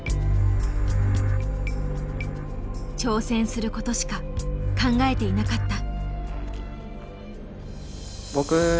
挑戦することしか考えていなかった。